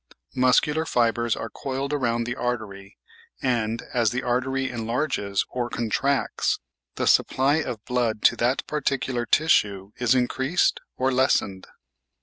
Muscular fibres are coiled round the artery, and, as the artery enlarges or contracts, the supply of blood to that particular tissue is increased or lessened.